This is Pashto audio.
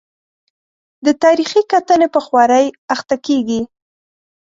د تاریخي کتنې په خوارۍ اخته کېږي.